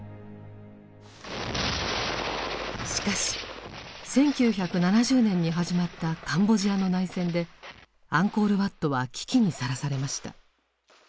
しかし１９７０年に始まったカンボジアの内戦でアンコール・ワットは危機にさらされました。